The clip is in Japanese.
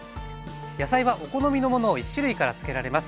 野菜はお好みのものを１種類から漬けられます。